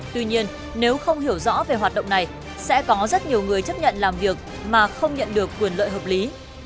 tuy nhiên nếu không hiểu rõ về hoạt động này sẽ có rất nhiều người chấp nhận làm việc mà không nhận được quyền lợi hợp lý